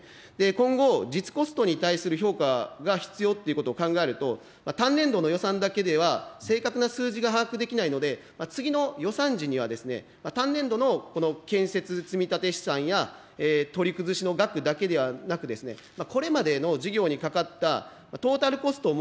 今後、実コストに対する評価が必要っていうことを考えると、単年度の予算だけでは正確な数字が把握できないので、次の予算時には単年度のこの建設積立資産や、取り崩しの額だけではなく、これまでの事業にかかったトータルコストの予算説明時の資料として提示していただけないでしょうか。